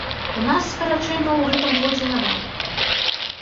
У нас скарачэнняў у гэтым годзе няма.